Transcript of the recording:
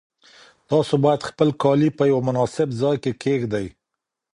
تاسو باید خپل کالي په یو مناسب ځای کې کېږدئ.